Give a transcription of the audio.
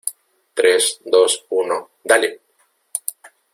tres, dos , uno... ¡ dale!